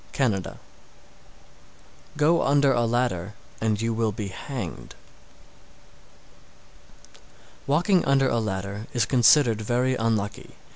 Canada. 665. Go under a ladder and you will be hanged. 666. Walking under a ladder is considered very unlucky.